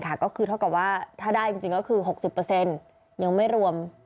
ก็คือถ้าได้จริงก็คือ๖๐ยังไม่รวม